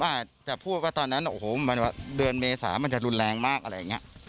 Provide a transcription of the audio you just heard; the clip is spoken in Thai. อาจจะพูดว่าตอนนั้นโอ้โหมันเดือนเมษามันจะรุนแรงมากอะไรอย่างนี้